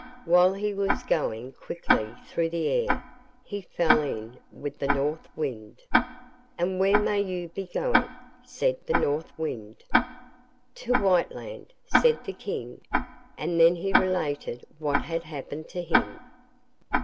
While he was going quickly through the air he fell in with the North Wind. 'And where may you be going?' said the North Wind. 'To Whiteland,' said the King, and then he related what had happened to him.